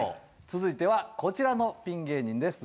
続いてはこちらのピン芸人です。